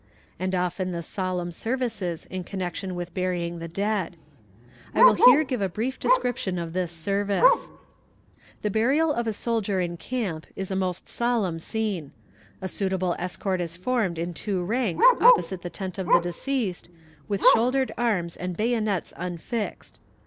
And often the solemn services in connection with burying the dead. I will here give a brief description of this service: The burial of a soldier in camp is a most solemn scene. A suitable escort is formed in two ranks opposite the tent of the deceased, with shouldered arms and bayonets unfixed.